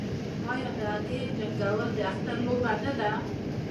آیا د هګیو جنګول د اختر لوبه نه ده؟